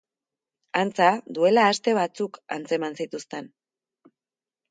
Antza, duela aste batzuk antzeman zituzten.